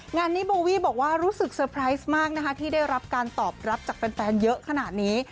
งานนี้โบวี่บอกว่ารู้สึกเซอร์ไพรส์มากนะคะที่ได้รับการตอบรับจากแฟนเยอะขนาดนี้